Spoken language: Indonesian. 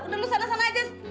udah lu sana sana aja